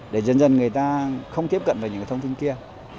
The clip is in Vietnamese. để dân dân người ta không tiếp cận vào những thông tin kia